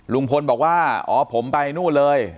ลุงพลบอกว่าอ๋อผมไปนู่นเลย